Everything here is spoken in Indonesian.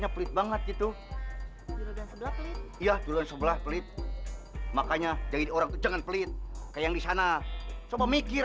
pilih banget gitu iya sebelah pelit makanya jadi orang jangan pelit kayak disana coba mikir